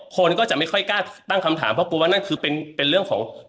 คนก็จะไม่ค่อยกล้าตั้งคำถามเพราะกลัวว่านั่นคือเป็นเรื่องของ